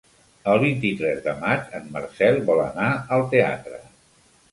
El vint-i-tres de maig en Marcel vol anar al teatre.